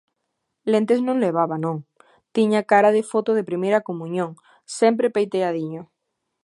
Lentes non levaba; non; tiña cara de foto de primeira comuñón, sempre peiteadiño.